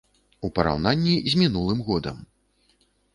У параўнанні з мінулым годам.